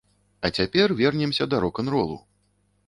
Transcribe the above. А цяпер вернемся да рок-н-ролу.